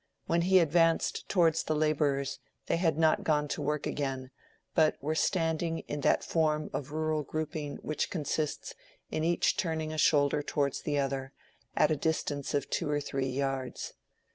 When he advanced towards the laborers they had not gone to work again, but were standing in that form of rural grouping which consists in each turning a shoulder towards the other, at a distance of two or three yards.